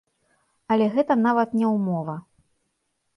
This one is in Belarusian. Але гэта нават не ўмова.